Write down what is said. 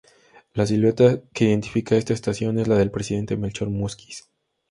La silueta que identifica a esta estación es la del presidente Melchor Múzquiz.